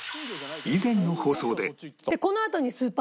以前の放送で